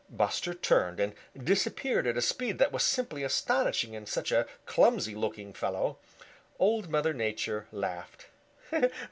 Buster turned and disappeared at a speed that was simply astonishing in such a clumsy looking fellow. Old Mother Nature laughed.